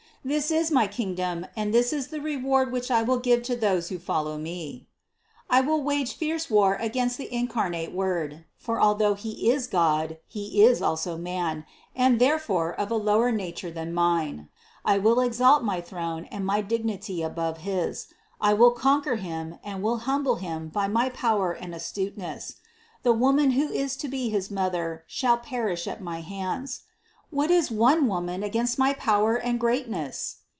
This is my kingdom and this is the re ward which I will give to those who follow me." 124. "I will wage fierce war against the incarnate THE CONCEPTION 119 Word, for although He is God, He is also man, and therefore of a lower nature than mine. I will exalt my throne and my dignity above his; I will conquer Him and will humble Him by my power and astuteness. The Woman who is to be his Mother shall perish at my hands. What is one Woman against my power and greatness?